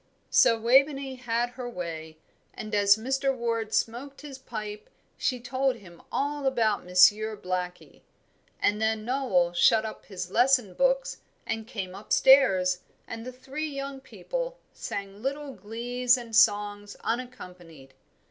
So Waveney had her way, and as Mr. Ward smoked his pipe she told him all about Monsieur Blackie; and then Noel shut up his lesson books and came up stairs, and the three young people sang little glees and songs unaccompanied.